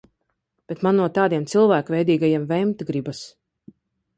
Bet man no tādiem cilvēkveidīgajiem vemt gribās.